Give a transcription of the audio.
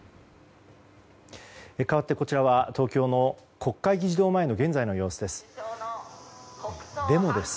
かわって、こちらは東京の国会議事堂前の様子です。